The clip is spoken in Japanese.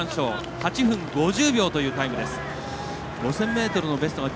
８分５０秒というタイム。